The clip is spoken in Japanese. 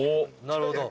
なるほど。